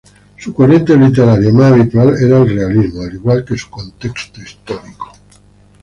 Su corriente literaria más habitual era el realismo, al igual que su contexto histórico.